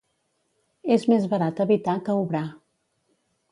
És més barat evitar que obrar.